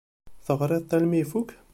Teɣriḍ-t armi ifukk?